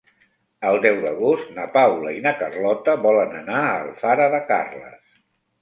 El deu d'agost na Paula i na Carlota volen anar a Alfara de Carles.